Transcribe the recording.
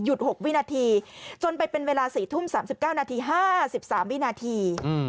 ๖วินาทีจนไปเป็นเวลา๔ทุ่ม๓๙นาที๕๓วินาที